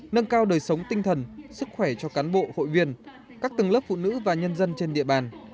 nâng cao đời sống tinh thần sức khỏe cho cán bộ hội viên các tầng lớp phụ nữ và nhân dân trên địa bàn